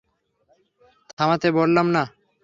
থামতে বললাম না!